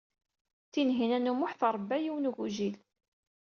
Tinhinan u Muḥ tṛebba yiwen n ugujil.